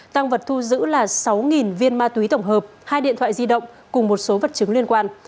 tăng vật thu giữ là sáu viên ma túy tổng hợp hai điện thoại di động cùng một số vật chứng liên quan